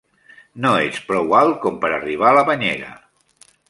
No ets prou alt com per arribar a la banyera!